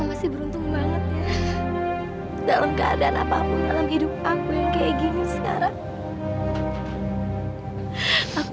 memenangkan hadiah undian langsung dua puluh lima juta loh mbak